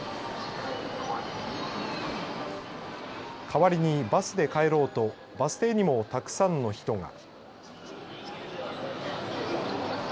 代わりにバスで帰ろうとバス停にも、たくさんの人が。